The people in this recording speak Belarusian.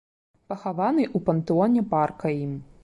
Пахаваны ў пантэоне парка ім.